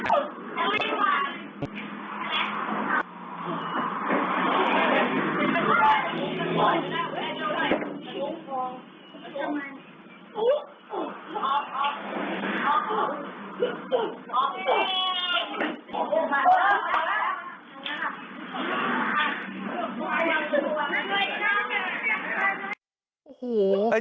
ไม่ยาก